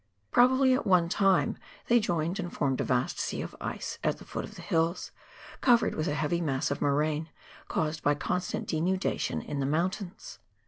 Probably at one time they joined and formed a vast sea of ice at the foot of the hills, covered with a he ivy mass of moraine, caused by constant denudation in the mountains.